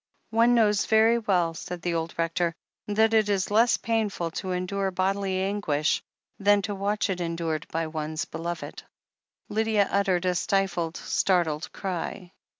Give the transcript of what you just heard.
One knows very well,'* said the old Rector, "that it is less painful to endure bodily anguish than to watch it endured by one's beloved." Lydia uttered a stifled, startled cry.